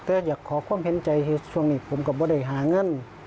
แต่อยากขอความเห็นใจให้ส่วนหนีบผมกับบะเด็กหาเงิน